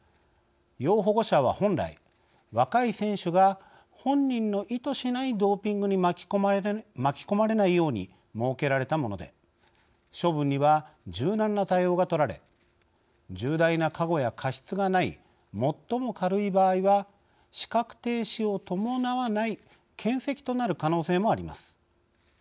要保護者は本来、若い選手が本人の意図しないドーピングに巻き込まれないように設けられたもので処分には柔軟な対応が取られ重大な過誤や過失がない最も軽い場合は資格停止を伴わないけん責となる可能性もあります。